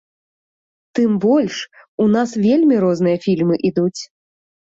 Тым больш, у нас вельмі розныя фільмы ідуць.